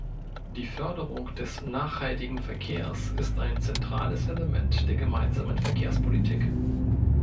Die Förderung des nachhaltigen Verkehrs ist ein zentrales Element der gemeinsamen Verkehrspolitik.